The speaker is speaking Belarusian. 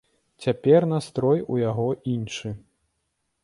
Цяпер настрой у яго іншы.